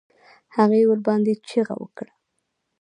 هغې ورباندې چيغه کړه.